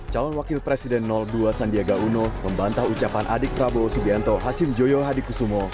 calon wakil presiden dua sandiaga uno membantah ucapan adik prabowo subianto hasim joyo hadikusumo